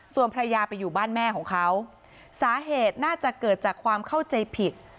ส่วนภรรยาไปอยู่บ้านแม่ของเขาสาเหตุน่าจะเกิดจากความเข้าใจผิด